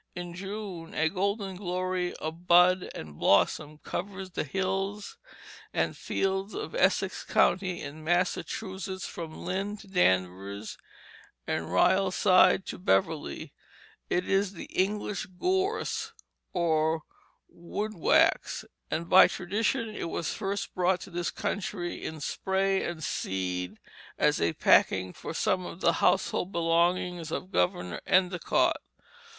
In June a golden glory of bud and blossom covers the hills and fields of Essex County in Massachusetts from Lynn to Danvers, and Ryal Side to Beverly; it is the English gorse or woad wax, and by tradition it was first brought to this country in spray and seed as a packing for some of the household belongings of Governor Endicott.